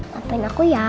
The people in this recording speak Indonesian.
lapain aku ya